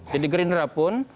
jadi gerindra pun